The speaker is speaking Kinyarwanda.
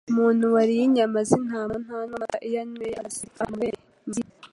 Umuntu wariye inyama z’intama, ntanywa amata, iyo ayanyweye zipfa amabere (amaziri )